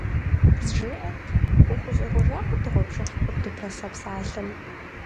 КъызжеӀэт, ухущӀегъуэжакъэ дыгъуэпшыхь къыдупэса псалъэм?